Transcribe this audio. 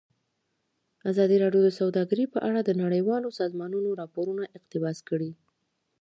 ازادي راډیو د سوداګري په اړه د نړیوالو سازمانونو راپورونه اقتباس کړي.